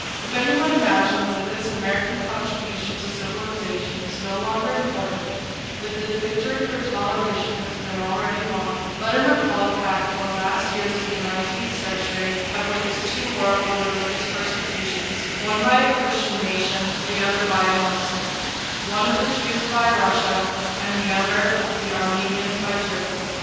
If anyone imagines that this American contribution to civilization is no longer important,—that the victory for toleration has been already won,—let him recall the fact that the last years of the nineteenth century have witnessed two horrible religious persecutions, one by a Christian nation, the other by a Moslem—one, of the Jews by Russia, and the other, of the Armenians by Turkey.